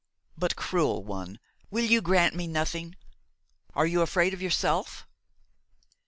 But, cruel one, will you grant me nothing? Are you afraid of yourself?"